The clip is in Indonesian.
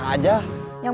kadikit tau sekarang